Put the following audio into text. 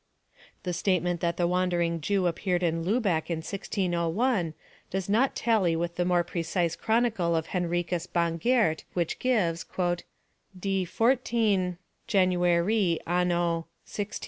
The statement that the Wandering Jew appeared in Lubeck in 1601, does not tally with the more precise chronicle of Henricus Bangert, which gives: "Die 14 Januarii Anno MDCIII.